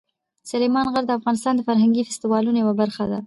سلیمان غر د افغانستان د فرهنګي فستیوالونو یوه برخه ده.